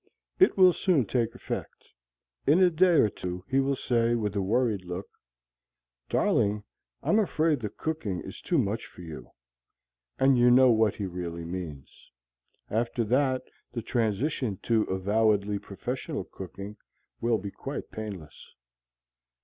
It will soon take effect. In a day or two he will say, with a worried look, "Darling, I'm afraid the cooking is too much for you." And you know what he really means. After that the transition to avowedly professional cooking will be quite painless.